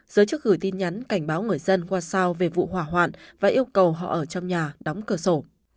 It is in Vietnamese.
giới chức gửi tin nhắn cảnh báo người dân qua sao về vụ hỏa hoạn và yêu cầu họ ở trong nhà đóng cửa sổ